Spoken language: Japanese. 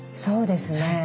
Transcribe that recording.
そうですね。